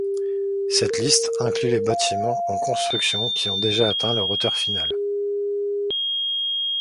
Cette liste inclut les bâtiments en construction qui ont déjà atteint leur hauteur finale.